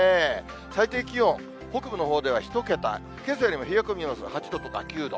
最低気温、北部のほうでは１桁、けさよりも冷え込みます、８度とか９度。